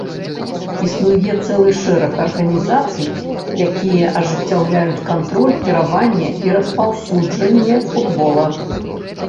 Існуе цэлы шэраг арганізацый, якія ажыццяўляюць кантроль, кіраванне і распаўсюджанне футбола.